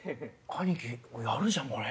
兄貴やるじゃんこれ。